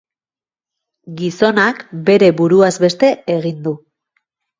Gizonak bere buruaz beste egin du.